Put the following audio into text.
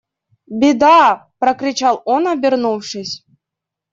Беда! – прокричал он обернувшись.